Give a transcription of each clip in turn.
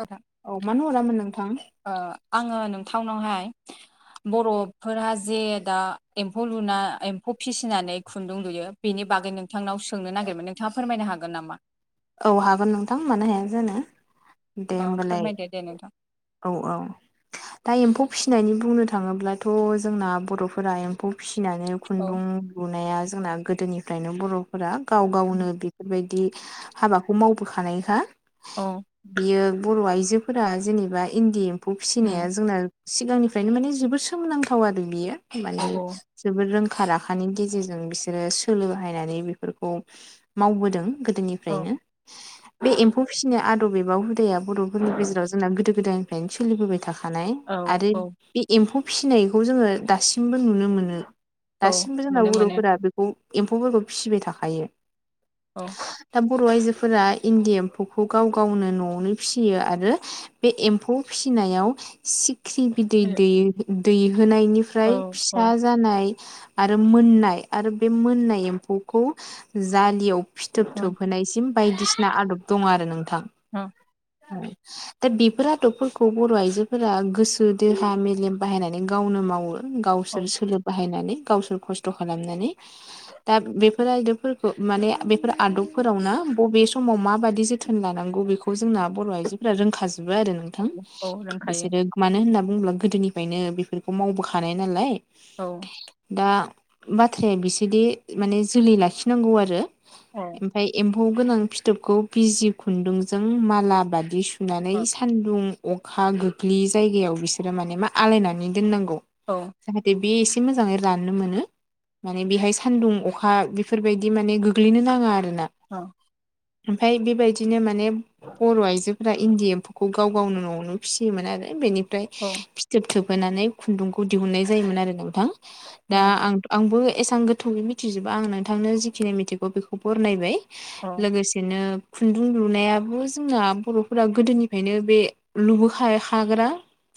नोंथां औ मानो हरामोन नोंथां ओ आङो नोंथांनावहाय बरफोरा जे दा एम्फौ लुना एम्फौ फिसिनानै खुन्दुं लुयो बेनि बागै नोंथांनाव सोंनो नागिरदोंमोन नोंथाङा फोरमायनो हागोन नामा औ हागोन नोंथां मानो हाया जानो दे अ होमबालाय फोरमायदो दे नोंथां औ औ दा एम्फौ फिसिनायनि बुंनो थाङोब्लाथ जोंना बरफोरा एम्फौ फिसिनानै औ खुन्दुं लुनाया जोंना गोदोनिफ्रायनो बरफोरा गाव गावनो बेफोरबायदि हाबाखौ मावबोखानायखा औ बियो बर आइजोफोरा जेनेबा इन्दि एम एम्फौ फिसिनाया उम जोंना सिगांनिफ्रायनो माने जोबोद सोमोनांथाव आरो बियो औ माने औ जोबोर रोंखा राखानि गेजेरजों जों बिसोरो सोलो बाहायनानै बेफोरखौ मावबोदों‌ औ ओफ्रायनो बे एम्फौ फिसिनाय आदब एबा हुदाया बरफोरनि गेजेराव जोंना गोदो गोदायनिफ्रायनो सोलिबोबाय थाखा थानाय आरो औ बे एम्फौ फिनायखौ जोङो दासिमबो नुनो मोनो। औ दासिमबो जोंना नुनो मोनो बर'फोरा बेखौ एम्फौफोरखौ फिसिबाय थाखायो। औ दा बर' आइजोफोरा इन्दि एम्फौखौ गाव गावनो न'आवनो फिसियो आरो बे एम्फौ फिनायाव सिख्रि बिदै औ औ दै-दैहोनायनिफ्राय फिसा उम जानाय आरो मोननाय आरो बे मोननाय एम्फौखौ जालियाव फिथोब उम थोब सिम बायदिसिना आदब दं आरो नोंथां। ओं दा बेफोर आदबफोरखौ बर' आइजोफोरा गोसो देहा मेलेम बाहायनानै गावनो मावो। गावसोर सोलो बाहायनानै गावसोर खस्थ' खालामनानै दा बेफोर आयदबफोरखौ माने बेफोर आदब फोरावनो बबे समाव मााबाददि जोथोन लानांगौ बेखौ जोंना बर' आइजोफोरा रोंखाजोब आरो नोंथां औ रोंखायो बिसोरो मानो होन बुंब्ला गोदोनिफ्रायनो बेफोरखौ मावबोखानाय नालाय औ दा बाथ्राया बिसोरदि माने जोलै लाखिनांगौ आरो औ ओमफाय एम्फौ गोनां फिथोबखौ बिजि खुन्दुंजों माला बादि सु होननानै औ सान्दुं अखा गोग्लै जायगायाव बिसोरो माने मा आलायनानै दोननांगौ। जाहाथे बे एसे मोजाङै राननो मोनो माने बेहाय सानदुं अखा बेफोरबायदि माने गोग्लैनो नाङा आरो औ ओमफाय बेबायदिनो माने बर' आइजो फ्रा इन्दि एम्फौखौ गाव गावनो न'आवनो फिसियोमोन आरो बेनिफ्राय औ फिथोब थोब होनानै खुन्दुंखौ दिहुननाय जायोमोन आरो नाथां दा आं आंबो एसां गोथौयै मिथिजोबा आं नोंथांनो जिखिनि मिथिगौ बेखौ बरनायबाय औ लोगोसेनो खुन्दुं लुनायाबो जोंना बर'फोरा गोदोनिफ्रायनो बे लुबो खा हाग्रा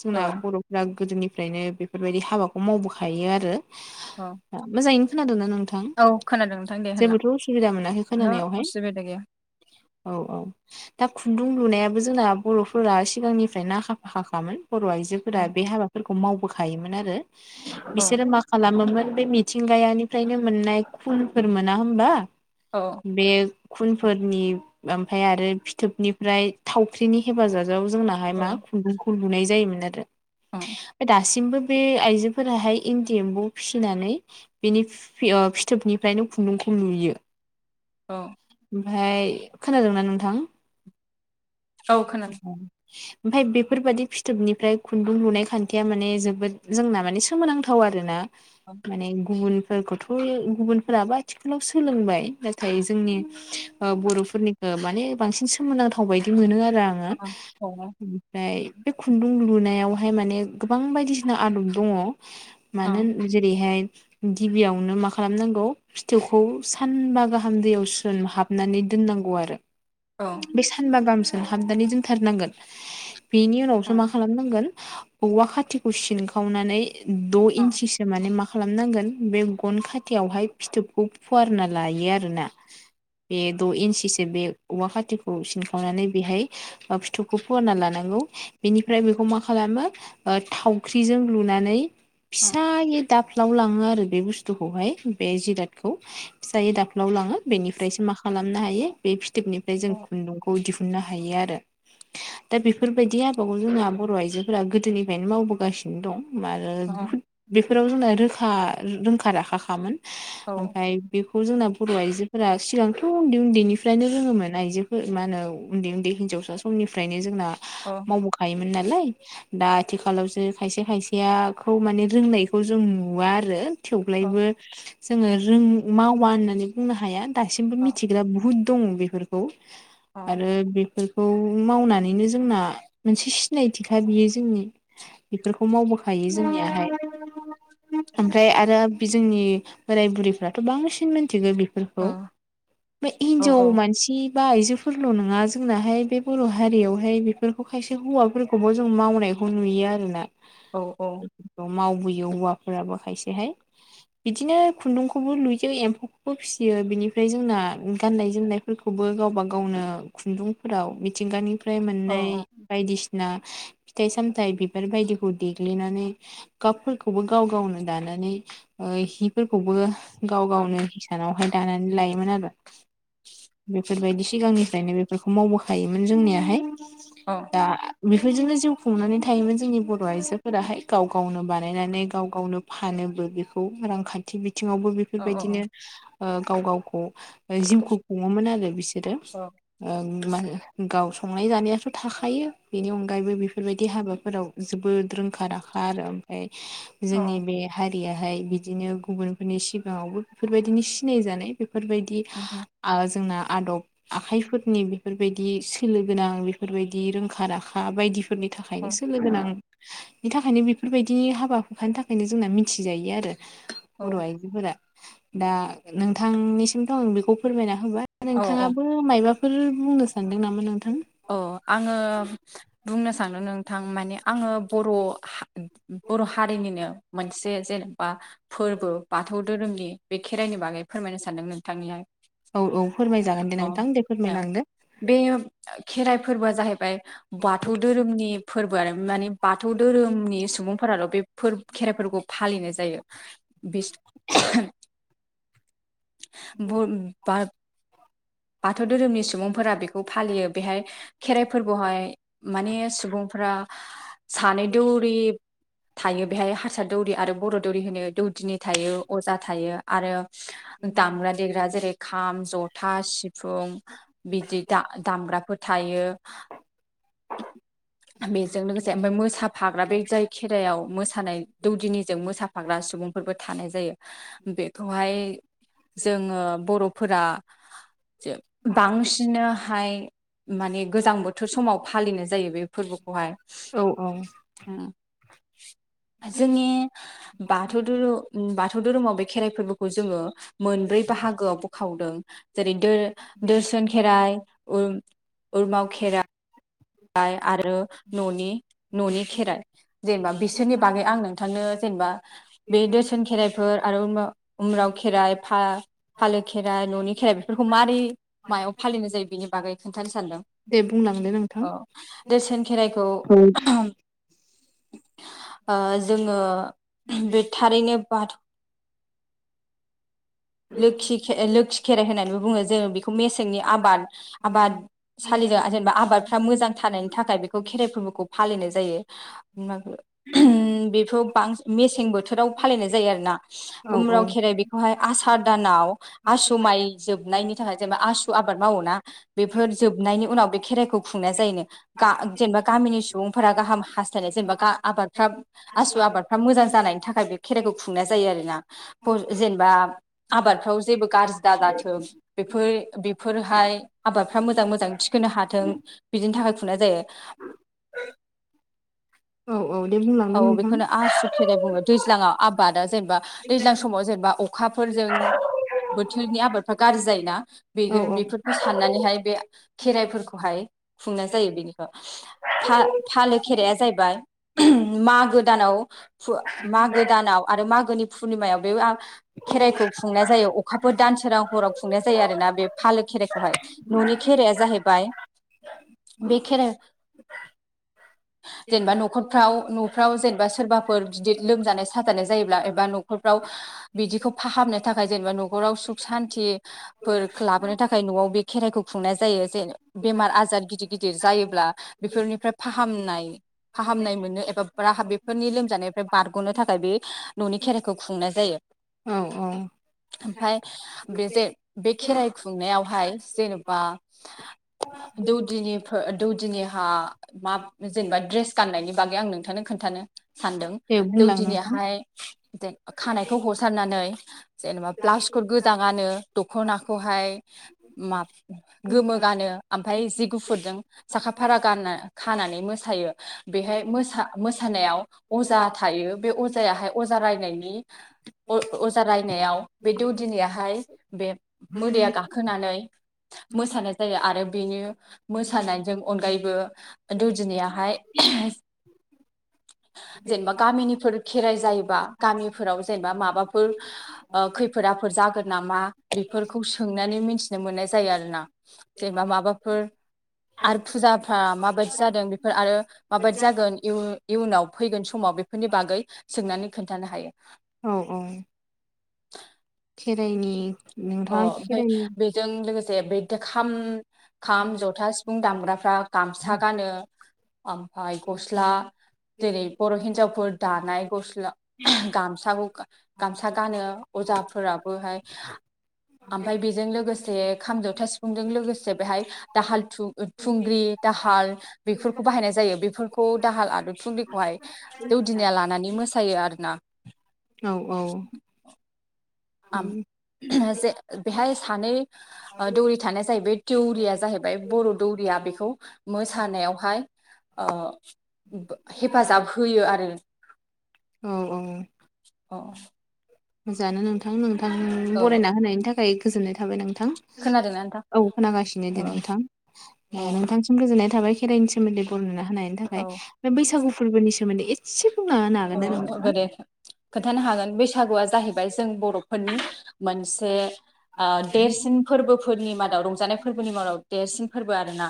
जोंना बर'फोरा गोदोनिफ्रायनो बेफोरबायदि हाबाखौ मावबोखायो आरो औ मोजाङैनो खोनादोंना नोंथां औ खोनादों नोंथां दे होनलां जेबोथ' असुबिदा मोन ओहो असुबिदा गैया औ औ दा खुन्दुं लुनायाबो जोंना बर'फोरा सिगांनिफ्रायनो आखा फाखाखामोन बर' आइजोफोरा बे हाबाफोरखौ मावबोखायोमोन आरो औ बिसोरो मा खालामोमोन बे मिथिंगायानिफ्रायनो मोननाय खुनफोर मोना होम्ब्ला औ बे खुनफोरनि ओमफाय आरो फिथोबनिफ्राय थावख्रिनि हेफाजाब जों जोंनाहाय मा खुन्दुं खुन्दुंखौ लुनाय जायोमोन आरो अ सिमबो बे आइजोफोराहाय इन्दि एम्बौ फिसिनानै बेनि फि ओ फिथोबनिफ्रायनो खुन्दुंखौ लुयो। औ ओमफाय खोनादोंना नोंथां? औ खोनादो। ओमफाय बेफोरबायादि फिथोबनिफ्राय खुन्दुं लुनाय खान्थिया माने जोबोद जोंना माने सोमोनांथाव आरो ना औ माने गुबुन फोरखौथ' गुबुनफोराबो आथिखालाव सोलोंबाय नाथाय जोंनि ओ बर'फोरनिखो ओ माने बांसिन सोमोनांथाव बायदिनो आरो आङो औ औ ओमफ्राय बे खुन्दुं लुनायावहाय माने गोबां बायदिसिना आदब दङ। औ मानो ओन जेरैहाय गिबियावनो मा खालामनांगौ फिथोबखौ सानबा गाहाम दैयाव सोमहाबनानै दोनना नांगौ आरो औ बे सानबा गाहाम सोमहाबनानै दोनथारनांगोन बेनि औ उनावसो मा खालामनांगोन औवा खाथिखौ सिनखावनानै द' इन्सिसो माने माख खालामनांगोन बे गन खाथियावहाय फिथोबखौ फुवारना लायो आरोना बे द' इन्सिसो बे औवा खाथिखौ सिनखावनानै बेहाय ओ फिथोबखौ फुवारना लानांगौ बेनिफ्राय बेखौ मा खालामो थावख्रिजों लुना नानै फिसायै दाफ्लाव लाङो आरो बे बुस्थुखौहाय बे जिरादखौ फिसायै दाफ्लाव लाङो बेनिफ्रायसो म मा खालामनो हायो बे फिथोबनिफ्राय जों खुन्दुंखौ दिहुननो हायो आरो दा बेफोरबायदि हाबाखौ जोंहा बर' आइजोफोरा गोदोनिफ्रायनो मावबोगासिनो दं आरो औ बुहुद बेफोराव जोंना रोखा-रोंखा राखाखामोन ओमफ्राय बि खौ जोंना बर' आइजोफोरा सिगांथ' उन्दै उन्दैनिफ्रायनो रोङोमोन आइजोफोर मा होनो उन्दै उन्दै हिनजावसा समनिफ्रायनो जोंना मावबोखायो मोन नालाय दा आथिखालावसो खायसे खायसेयाखौ माने रोंनायखौ जों नुवा आरो थेवब्लायबो जोङो रों मावा होननानै बुंनो हाया दासिमबो मिथिग्रा बुहुद दङ बेफोरखौ आरो बेफोर खौ मावनानैनो जोंना मोनसे सिनायथिखा बियो जोंनि बेफोरखौ मावबोख हायो जोंनियाहाय ओमफ्राय आरो बे जोंनि बोराय बुरिफ्राथ' बांसिन मिन थिगो बेफोरखौ बे हिनजाव मानसि बा आइजोफ फोरल' नङा जोंनाहाय बे बर' हारियावहाय बेफोरखौ खायसे हौवाफोरखौबो जों मावनायखौ नुयो आरोना औ [unintelligible] मावबोयो हौवाफोराबो खायसेहाय बिदिनो खुन्दुंखौबो लुयो एम्फौखौबो फिसियो बिनिफ्राय जोंना गाननाय जोमनायफोरखौबो गावबा ग गावनो खुन्दुंफोराव मिथिंगानिफ्राय मोननाय औ बायदिसि ना फिथाइ सामथायाइ बिबार बायदिखौ देग्लिनानै गाबफोरखौबो गाव गावनो दानो नानै हिफोरखौबो गाव गावनो हिसानावहाय दानानै लायोमोन आरो बेफोरबायदि सिगांनिफ्रायनो बेफोरखौ मावबोखायोमोन जोंनियाहाय दा बेफोरजोंनो जिउ हुंनानै थायोमोन जोंनि बर' आइजोफोराहाय गाव गावनो बानायनानै गाव गावनो फानोबो बेखौ रांखान्थि बि बिथिङावबो बेफोरबायदिनो गाव गावखौ जिउखौ खुङोमोन आरो बिसोरो ओम मा होनो गावस संनाय जानायाथ' थाखायो बेनि अनगायैबो बेफोरबायदि हाबाफोराव जोबोद रोंखा राखा आरो ओमफ्राय जोंनि बेहाय दैयाहाय बिदिनो गुबुनफोरनि सिगाङावबो बेफोरबायदिनो सिनाय जानाय बेफोरबायदि आ जोंना आदब आखाइफोरनि बेफोरबायदि सोलो गोनां बेफोरबायदि रोंखा आखा बायदि फोरनि थाखायनो सोलो गोनां बिनि थाखायनो बेफोरबायदिनि हाबा हुखानि थाखायनो जोंना मिथिजायो आरो बर' आइजोफोरा दा नोंथांनिसिमथ' आं बेखौ फोरमायना होबाय नोंथाङा मायबाफोर बुंनो सानदों नामा नोंथा औ आङो बुंनो सानोदों नोंथां माने आङो बर' बर' हारिनिनो मोनसे जेनेबा फोरबो बाथौ धोरोमनि बे खेराइनि बागै फोरमायनो सानदों नोंथांनिया औ औ फोरमायजागोन दे नोंथां दे औ फोरमायलांदो बे खेराइ फोरबोआ जाहैबाय बाथौ धोरोमनि फोरबो आरो माने बाथौ धोरोमनि सुबुं फोराल' बे फोर खेराइफोरखौ फालिनाय जायो बि [unintelligible] [unintelligible] बाथौ धोरोमनि सुबुंफोरा बेखौ फालियो बेहाय खेराइ फोरबोहाय माने सुबुंफ्रा सानै दौरि थायो बेहाय हारसा दौरि आरो बर' दौरि होनो दौ दिनि थायो अजा थायो आरो दामग्रा देग्रा जेरै खाम जथा सि फुं बिदि दा दामग्राफोर थायो [unintelligible] बेजों लोगोसे ओमफ्राय मोसाफाग्रा बे जाय खेरायाव मोसानाय दौदिनिजों मोसाफाग्रा सुबुंफोरबो थानाय जायो बेखौहाय जोङो बर'फोरा ज बांसिनहाय माने गोजां बोथोर समाव फालिनाय जायो बे फोरबोखौहाय औ औ उ जोंनि बाथौ धोरु बाथौ धोरोमाव बे खेराइ फोरबोखौ जोङो मोनब्रै बाहागोआव बखावदों जेरै दोरो दोरसन खेराइ उ उरमााव खेरा आ आरो न'नि न'नि खेराइ जेनेबा बिसोरनि बागै आं नोंथांनो जेनेबा बे दोसोन खेराइफोर आरो उमबाव उम्राव खेराइ फा फालो खेराइ न'नि खेराइ बेफोरखौ मारै मायाव फालिनाय जायो बेनि बागै खोनथा दे बुंलांदो नोंथां औ दोसोन खेराइखौ ओ जोङो बे थारैनो बाथौ [unintelligible] लोखि खे लोखि खेराइ होननानैबो बुङो जोंङो बेखौ मेसेंनि आबाद आबाद सालिदों जेनेबा आबादफ्रा मोजां थानायनि थाखाय बेखौ खेराइ फोरबोखौ फालिनाय जायो बेखौ बांसिन मेसें बोथोराव फालिनाय जायो आरो ना औ उम्राव खेराइ बेखौहाय आसार दानाव आसु माइ जोबनायनि थाखाय जेनेबा आसु आब आबाद मावोना बेफोर जोबनायनि उनाव बे खेराइखौ खुंनाय जायोनो गा जेनेबा गामिनि सुबुंफोरा गाहाम हास्थायनाय जेनेबा गा आबादफोरा आसु आबादफ्रा मोजां जानायनि थाखाय खेराइखो खुंनाय जायोना ब जेनबा आबादफ्राव जेबो गाज्रि दा जाथों बेफोर बेफोरहाय आबादफ्रा मोजां मोजां थिखोनो हाथों बिदिनि थाखाय खुंनाय जायो। औ औ दे बुंलांनाय नोंथां खेनाय बुङो दैज्लाङाव आबादा जेनेबा दैज्लां समाव जेनेबा अखाफोरजों बोथोरनि आबादफ्रा गाज्रि जायोना बे औ बेफोरखौ साननानैहाय बे खेराइफोरखौहाय खुंनाय जायो बेनिखौ फा फालो खेराया जाहैबाय मागो दानाव फुवा मागो दानाव आरो मागोनि पुर्निमायाव बे खेराइखौ खुंनाय जायो अखाफोर दानसां हराव खुंनाय जायो आरोना बे फालो खेराइखौहाय न'नि खेराइया जाहैब बा बे खेरा औ जेनबा न'खफ्राव न'फ्राव जेनबा सोरबाफोर गिदिर लोमजानाय साजानाय जायोब्ला एबा न'ग न'खरफ्राव बिदिखौ फाहामनो थाखाय जेनबा न' न'खराव सुख औ सान्तिफोर लाबोनो थाखाय न'आव बे खेराइखौ खुंनाय जायो जेन बेमार आजार गिदिर गिदिर जायोब्ला बेफोरनिफ्राय फाहामनाय फाहामनाय मोनो बाबा राहा बेफोरनि लोमजानायनिफ्राय बारग'नो थाखाय बे न'नि खेराइखौ खुंनाय जायो। औ ओमफाय बे जे बे खेराइ खुंनायावहाय जेनेबा दौदिनिफो दौदिनिहा मा जेनेबा ड्रेस गाननायनि बागै आं नों नोंथांनो खोन्थानो सानदों दे बुंलां नोंथां दौदिनियाहाय जे खानायखौ हरसारनानै जेनेबा ब्लाउसखो गोजा गानो दखनाखौहाय फाय माफ गोमो गानो आमफाय जि गुफुरजों साखा फारा गाना खानानै मोसायो बेहाय मोसा मोसानायाव अजा थायो बे अजायाहाय अजा रायनायनि अ अजा रायनायाव बे दौदिनियाहाय बे मोदाइया गाखोनानै मोसानाय जायो आरो बेनि मोसानायजों अनगायैबो दौदिनियाहाय [inaudible] जेनबा गामिनिफोर खेराइ जायोबा गामिफोराव जेनबा माबाफोर ओ खैफोदा बाफोर जागोन नामा बेफोरखौ सोंनानै मोनथिनो मोननाय जायो आरोना जेनबा माबाफोर आरो फुजाफ्रा माबायदि जादों बेफोर आरो माबायदि जागोन बो इयुनाव फैगोन समाव बेफोरनि बागै सोंनानै खोन्थानो हायो। औ [inaudible] खेराइनि अ नोंथाङा ओमफाय खेराइनि बेजों लोगोसे बै दे खाम खाम जथा सिफुं दामग्राफ्रा गामसा गानो आमफाय गस्ला जेरै बर' हिनजावफोर दानाय गस्ला गामसाखौ गामसा गानो अजाफोराबोहाय [inaudible] आमफाय बेजों लोगोसे खाम जथा सिफुंदों लोगोसे बेहाय दाहाल थु थुंग्रि दाहा हाल बेफोरखौ बाहायनाय जायो। बेफोरखौ दाहाल आदब थुंग्रिखौहाय दौदिनिया लानानै मोसा यो आरो ना। औ औ आम [unintelligible] जे बेहाय सानै ओ दौरि थाना जायो बे दौरिया जाहैबाय बर' दौरि या बेखौ मोसानायावहाय अ ब' हेफाजाब होयो आरो अ। अ। मोजाङानो नोंथां नोंथां बरायना होनायनि थाखाय गोजोननाय थाबाय नों थां खोनादोंना नोंथां औ खोनागासिनो दे औ नोंथां औ नोंथांसिम गोजोननाय थाबाय खेराइनि सो सोमोन्दैखौ नुना होननि औ थाखाय बे बैसागु फोरबोनि सोमोन्दै एसे बुंना होनो हागोन ना औ नोंथाङा! गोदो खोन्थानो हागोन बैसागुआ जाहैबाय जों बर'फोरनि मोनसे ओ देरसिन फोरबोफोरनि मादाव रंजानाय फोरबोनि मादाव देरसिन फोरबो आरो ना।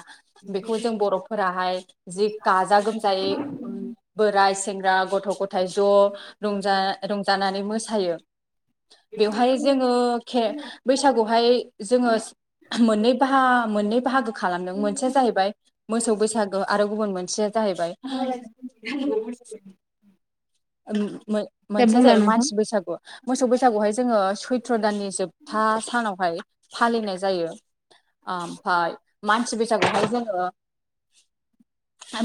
बेखौ जों बर'फोराहाय जि गाजा गोमजायै बोराय सेंग्रा गथ' गथायाइ ज' रंजा रंजानानै मोसायो। बेवहाय जोङो खे बैसागुआवहाय जोङो मोननै बाह मोननै बाहागो खालामदों मोनसेया जाहैबाय मोसौ बैसागो आरो गुबुन मोनसे जाहैबायाय [unintelligible] दे मोनसेया बुंलां जाहैबाय नोंथां मानसि बैसागु मोसौ बैसागुहाय जोङो सैथ्र' दाननि जोबथा सानावहाय फालिनाय जायो। [unintelligible] ओमफ्राय मानसि बैसागुहाय जोङो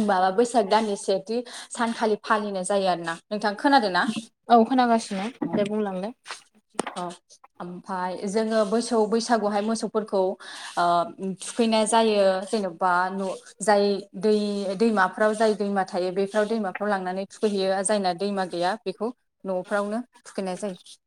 माबा बैसाग दाननि सेथि सानखालि फालिनाय जायो। आरोना नोंथां खोनादों ना? खोनांगासिनो दे बुंलांदो। ओमफ्राय जोङो मोसौ बैसागुहाय मोसौफोरखौ ओ थुखैनाय जायो जेन'बा न' जाय दै दैमाफ्राव जाय दैमा थायो बेफोराव दैमाफ्राव लांनानै थुखैहैयो जायना दैमा गैया बेखौ न'फ्रावनो थुखैनाय जायो।